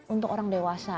untuk orang dewasa